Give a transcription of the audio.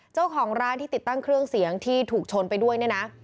เจ้าของร้านที่ติดตั้งเครื่องเสียงที่ถูกชนไปด้วยเนี่ยนะ